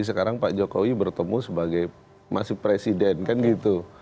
sekarang pak jokowi bertemu sebagai masih presiden kan gitu